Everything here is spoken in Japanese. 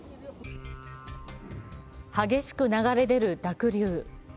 激しく流れ出る濁流。